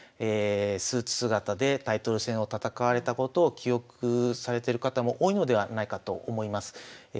スーツ姿でタイトル戦を戦われたことを記憶されてる方も多いのではないかと思います。